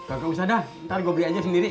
enggak usah dah